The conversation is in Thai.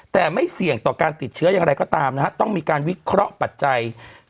แต่ไม่เสี่ยงต่อการติดเชื้ออย่างไรก็ตามนะฮะต้องมีการวิเคราะห์ปัจจัย